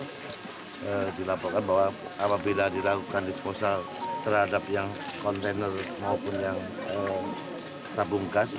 kita dilaporkan bahwa apabila dilakukan disposal terhadap kontainer maupun tabung gas